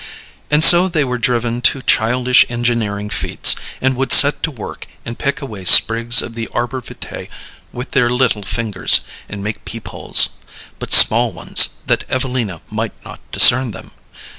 And so they were driven to childish engineering feats, and would set to work and pick away sprigs of the arbor vitae with their little fingers, and make peep holes but small ones, that Evelina might not discern them.